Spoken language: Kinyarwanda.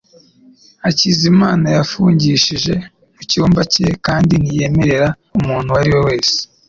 Hakizamana yifungishije mu cyumba cye kandi ntiyemerera umuntu uwo ari we wese.